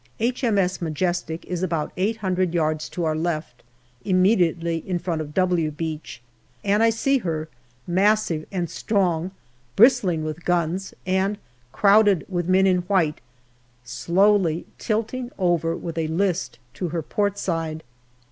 H.M.S. Majestic is about eight hundred yards to our left, immediately in front of " W " Beach, and I see her, massive and strong, bristling with guns, and crowded with men in white, slowly tilting over with a list to her port side.